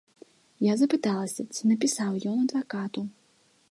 Я запыталася, ці напісаў ён адвакату.